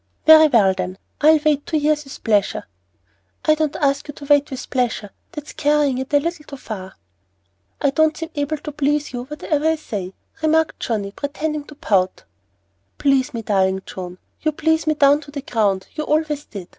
"Very well, then; I'll wait two years with pleasure." "I don't ask you to wait with pleasure! That's carrying it a little too far!" "I don't seem able to please you, whatever I say," remarked Johnnie, pretending to pout. "Please me, darling Joan! You please me down to the ground, and you always did!